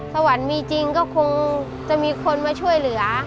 สวรรค์มีจริงก็คงจะมีคนมาช่วยเหลือ